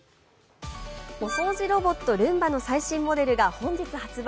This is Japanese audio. お掃除ロボット・ルンバの最新モデルが本日発売。